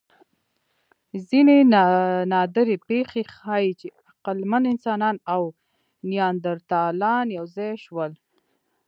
ځینې نادرې پېښې ښيي، چې عقلمن انسانان او نیاندرتالان یو ځای شول.